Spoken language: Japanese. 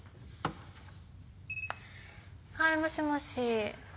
はいもしもし。